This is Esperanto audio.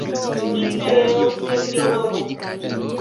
Ni pereos sen biologo!